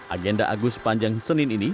agenda agus panjang senin ini